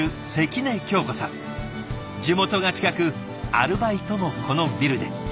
地元が近くアルバイトもこのビルで。